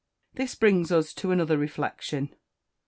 This brings us to another reflection.